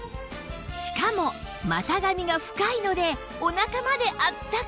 しかも股上が深いのでおなかまであったか